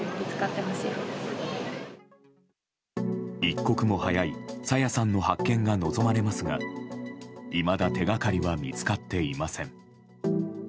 一刻も早い朝芽さんの発見が望まれますがいまだ手掛かりは見つかっていません。